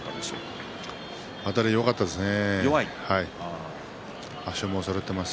あたりは弱かったですね。